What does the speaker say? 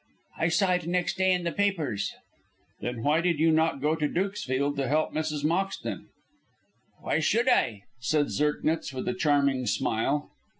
"I saw it next day in the papers." "Then why did you not go to Dukesfield to help Mrs. Moxton?" "Why should I?" said Zirknitz, with a charming smile.